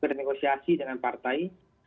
bernegosiasi dengan partai